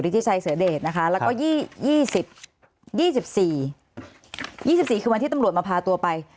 ริติชัยเสด็จนะคะแล้วก็ยี่สิบยี่สิบสี่ยี่สิบสี่คือวันที่ตำรวจมาพาตัวไป